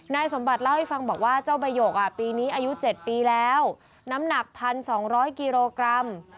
สมบัติเล่าให้ฟังบอกว่าเจ้าใบกปีนี้อายุ๗ปีแล้วน้ำหนัก๑๒๐๐กิโลกรัม